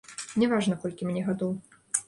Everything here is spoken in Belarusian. Не важна, колькі мне гадоў.